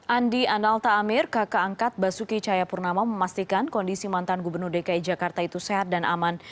andi analta amir kakak angkat basuki cahayapurnama memastikan kondisi mantan gubernur dki jakarta itu sehat dan aman